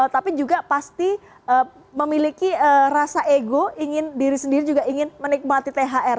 tapi juga pasti memiliki rasa ego ingin diri sendiri juga ingin menikmati thr